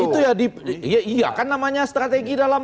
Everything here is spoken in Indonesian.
itu ya iya kan namanya strategi dalam